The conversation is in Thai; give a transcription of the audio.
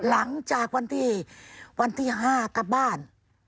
หลังจากวันที่๕กลับบ้าน